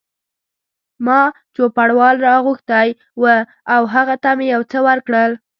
ما چوپړوال را غوښتی و او هغه ته مې یو څه ورکړل.